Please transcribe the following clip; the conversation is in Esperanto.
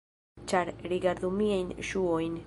Ĉar, rigardu miajn ŝuojn: